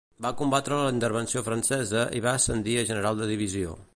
Va combatre la Intervenció Francesa i va ascendir a General de Divisió.